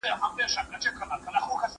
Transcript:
هغوی د ښوونې او روزنې حق لري.